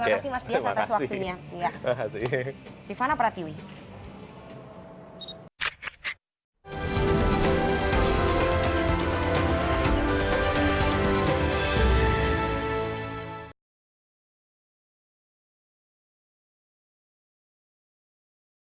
terima kasih mas dias atas waktunya